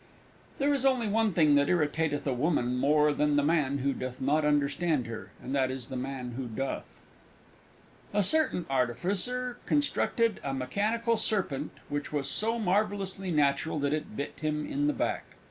There is only one thing that irritateth a woman more than the man who doth not understand her, and that is the man who doth. A certain Artificer constructed a mechanical Serpent which was so marvellously natural that it bit him in the back.